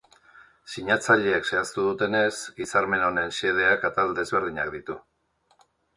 Sinatzaileek zehaztu dutenez, hitzarmen honen xedeak atal desberdinak ditu.